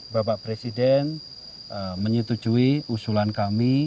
bapak presiden menyetujui usulan kami